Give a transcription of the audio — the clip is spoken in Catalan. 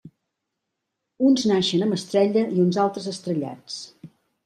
Uns naixen amb estrella i uns altres, estrellats.